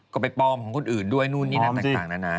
ก็ไปปลอมของคนอื่นด้วยนู่นนี่นั่นต่างนานา